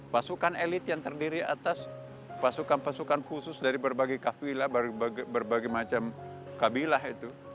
pasukan elit yang terdiri atas pasukan pasukan khusus dari berbagai kafilah berbagai macam kabilah itu